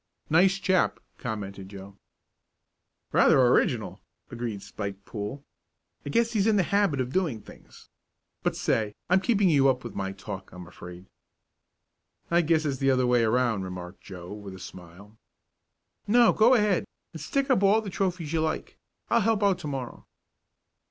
"Nice chap," commented Joe. "Rather original," agreed Spike Poole. "I guess he's in the habit of doing things. But say, I'm keeping you up with my talk, I'm afraid." "I guess it's the other way around," remarked Joe, with a smile. "No, go ahead, and stick up all the trophies you like. I'll help out to morrow."